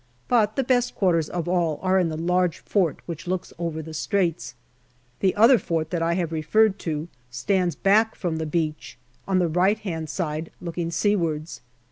But the best quarters of all are in the large fort which looks over the Straits. The other fort that I have referred to stands back from the beach, on the right hand side looking seawards.